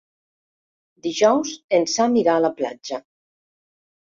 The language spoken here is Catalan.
Dijous en Sam irà a la platja.